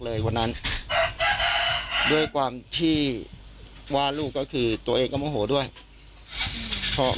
วันนั้นด้วยความที่ว่าลูกก็คือตัวเองก็โมโหด้วยพ่อ